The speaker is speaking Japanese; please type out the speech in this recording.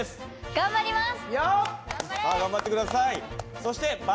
頑張ります。